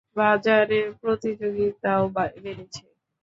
বাজারে প্রতিযোগীতাও বেড়েছে!